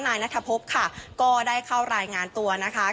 นายนัทพบค่ะก็ได้เข้ารายงานตัวนะคะ